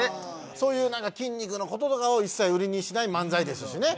そういう何か筋肉のこととかを一切売りにしない漫才ですしね